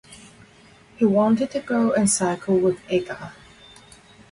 He wanted to go and cycle with Edgar.